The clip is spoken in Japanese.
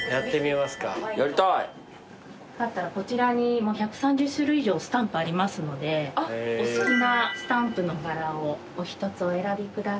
よかったらこちらに１３０種類以上スタンプありますのでお好きなスタンプの柄をお一つお選びください。